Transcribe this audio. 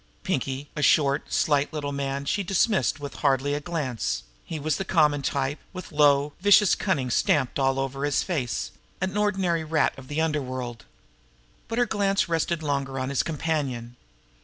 Pinkie, a short, slight little man, she dismissed with hardly a glance; he was the common type, with low, vicious cunning stamped all over his face an ordinary rat of the underworld. But her glance rested longer on his companion.